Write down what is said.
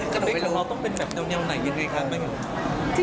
กระโบปุ๊ะต้องเป็นแนะวนี่แบบไหนยังไงค่ะ